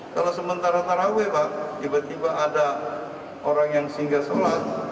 kalau sementara taraweh pak tiba tiba ada orang yang singgah sholat